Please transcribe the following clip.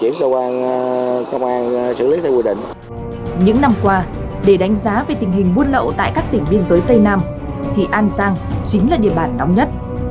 những năm qua để đánh giá về tình hình buôn lậu tại các tỉnh biên giới tây nam thì an giang chính là địa bản nóng nhất